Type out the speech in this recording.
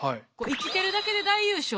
「生きてるだけで大優勝」。